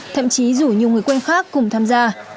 thậm chí rủ nhiều người quanh khác cùng tham gia